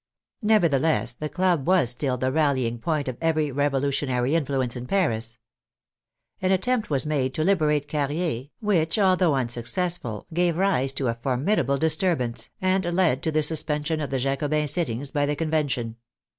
Nevertheless the club was still the rallying point of every revolutionary influence in Paris. An at tempt was made to liberate Carrier, which, although un successful, gave rise to a formidable disturbance, and led to the suspension of the Jacobin sittings by the Con vention.